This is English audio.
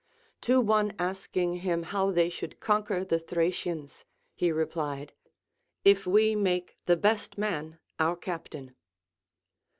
To one askhig him how they should conquer the Thracians, he replied, If we make the best man our captain.